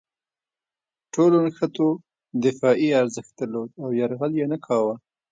ټولو نښتو دفاعي ارزښت درلود او یرغل یې نه کاوه.